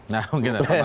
nah mungkin pak komarudin